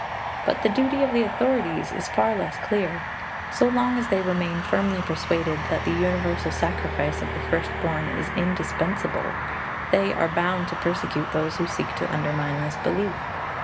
But the duty of the authorities is far less clear. So long as they remain firmly persuaded that the universal sacrifice of the first born is indispensable, they are bound to persecute those who seek to undermine this belief.